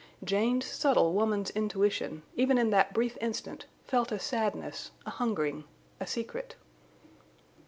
Jane's subtle woman's intuition, even in that brief instant, felt a sadness, a hungering, a secret.